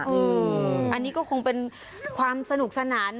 อันนี้ก็คงเป็นความสนุกสนาน